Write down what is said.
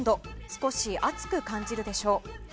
少し暑く感じるでしょう。